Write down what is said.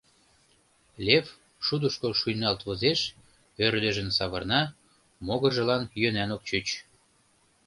Лев шудышко шуйналт возеш, ӧрдыжын савырна — могыржылан йӧнан ок чуч.